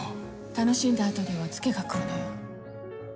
楽しんだ後にはツケがくるのよ。